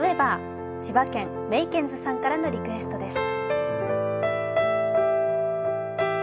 千葉県、メイケンズさんからのリクエストです。